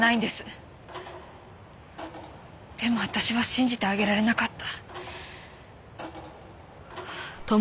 でも私は信じてあげられなかった。